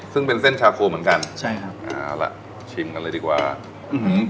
ซึ่งเป็นเส้นชาโคเหมือนกันใช่ครับเอาล่ะชิมกันเลยดีกว่าอืม